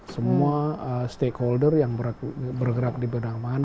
semua stakeholder yang bergerak di bidang manahan